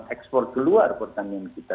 ekspor keluar pertanian kita